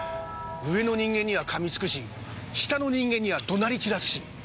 上の人間には噛みつくし下の人間には怒鳴り散らすし。